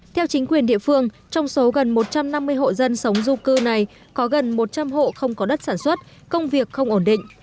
theo chính quyền địa phương trong số gần một trăm năm mươi hộ dân sống du cư này có gần một trăm linh hộ không có đất sản xuất công việc không ổn định